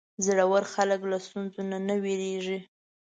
زړور خلک له ستونزو نه وېرېږي.